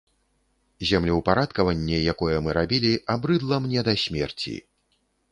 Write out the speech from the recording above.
Землеўпарадкаванне, якое мы рабілі, абрыдла мне да смерці.